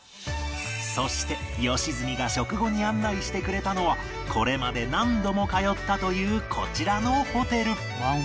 そして良純が食後に案内してくれたのはこれまで何度も通ったというこちらのホテル